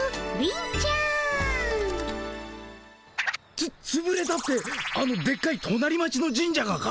つつぶれたってあのでっかいとなり町の神社がか？